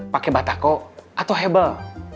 pakai batako atau hebel